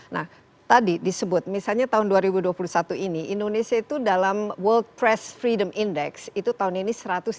nah tadi disebut misalnya tahun dua ribu dua puluh satu ini indonesia itu dalam world press freedom index itu tahun ini satu ratus tiga puluh